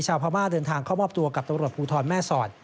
พม่าเดินทางเข้ามอบตัวกับตำรวจภูทรแม่สอด